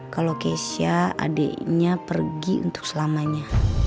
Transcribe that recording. kalo kesya adiknya pergi untuk selamanya